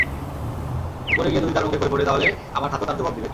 উপরে গিয়ে যদি তার মুখে খই ফোটে তাহলে আমার হাতও তার জবাব দিবে!